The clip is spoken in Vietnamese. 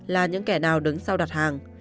là những kẻ nào đứng sau đặt hàng